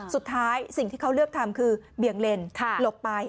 สุดท้ายสิ่งที่เขาเลือกทำคือเบียงเล่นหลบไป